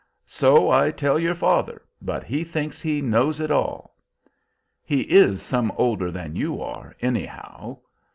So I tell your father, but he thinks he knows it all." "He is some older than you are, anyhow."